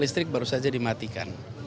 listrik baru saja dimatikan